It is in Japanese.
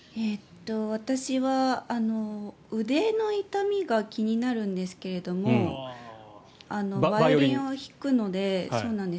私は腕の痛みが気になるんですがバイオリンを弾くので。